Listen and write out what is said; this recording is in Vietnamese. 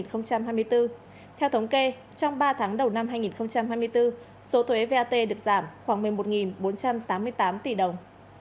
theo thống kê trong ba tháng đầu năm hai nghìn hai mươi bốn số thuế vat được giảm khoảng một mươi một bốn trăm tám mươi tám tỷ đồng